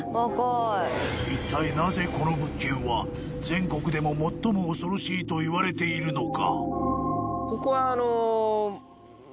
一体なぜこの物件は全国でも最も恐ろしいといわれているのか？